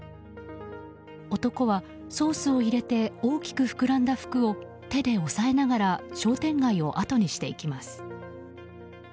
男はソースを入れて大きく膨らんだ服を手で押さえながら商店街をあとにしていきます。